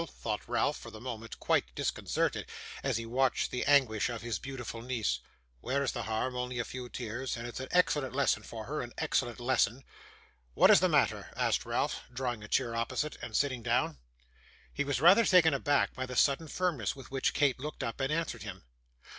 thought Ralph for the moment quite disconcerted, as he watched the anguish of his beautiful niece. 'Where is the harm? only a few tears; and it's an excellent lesson for her, an excellent lesson.' 'What is the matter?' asked Ralph, drawing a chair opposite, and sitting down. He was rather taken aback by the sudden firmness with which Kate looked up and answered him.